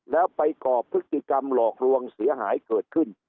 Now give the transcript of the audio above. แล้วไปก่อพฤติกรรมหลอกลวงเสียหายเกิดขึ้น